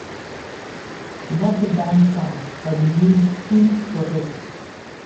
Some of the band's songs have been used in protests.